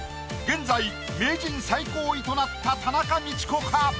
現在名人最高位となった田中道子か？